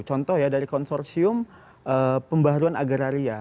contoh ya dari konsorsium pembaruan agraria